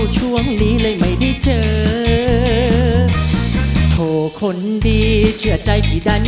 เชิญค่ะ